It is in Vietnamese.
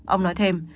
ông nói thêm